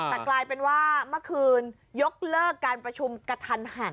แต่กลายเป็นว่าเมื่อคืนยกเลิกการประชุมกระทันหัน